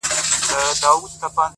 ځوان يوه غټه ساه ورکش کړه ـ